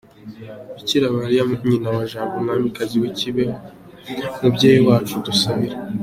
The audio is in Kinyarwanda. BikiraMariya nyina wa Jambo mwamikazi wa Kibeho, mubyeyi wacu udusabire.